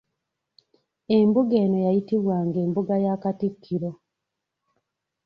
Embuga eno yayitibwanga embuga ya Katikkiro.